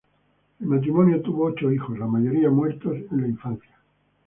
El matrimonio tuvo ochos hijos, la mayoría muertos en la infancia.